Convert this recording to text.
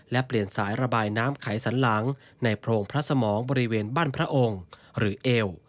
และเปลี่ยนสายระบายน้ำไขสันหลังในโพรงพระสมองบริเวณบ้านพระองค์หรือเอว